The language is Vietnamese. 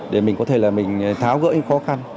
để mình có thể là mình tháo gỡ những khó khăn